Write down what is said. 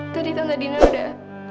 tadi tante dina udah